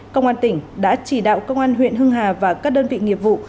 công an tỉnh đã chỉ đạo công an huyện hưng hà và các đơn vị nghiệp vụ